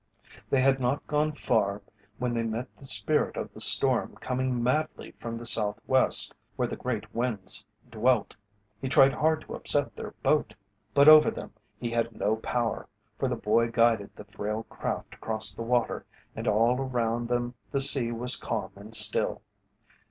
They had not gone far when they met the Spirit of the Storm coming madly from the south west where the great winds dwelt. He tried hard to upset their boat, but over them he had no power, for the boy guided the frail craft across the water and all around them the sea was calm and still.